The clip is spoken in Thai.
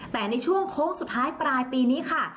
แต่ในช่วงโค้งสุดท้ายปลายปีนี้ค่ะ